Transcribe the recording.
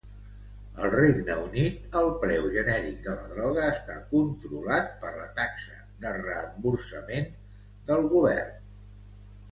Al Regne Unit, el preu genèric de la droga està controlat per la taxa de reemborsament del govern.